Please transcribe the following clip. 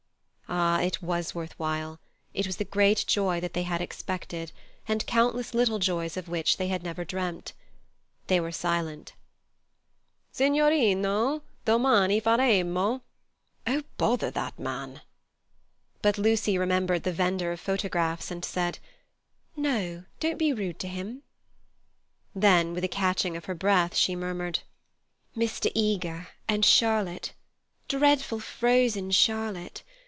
Ah! it was worth while; it was the great joy that they had expected, and countless little joys of which they had never dreamt. They were silent. "Signorino, domani faremo—" "Oh, bother that man!" But Lucy remembered the vendor of photographs and said, "No, don't be rude to him." Then with a catching of her breath, she murmured: "Mr. Eager and Charlotte, dreadful frozen Charlotte.